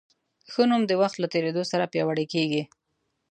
ښه نوم د وخت له تېرېدو سره پیاوړی کېږي.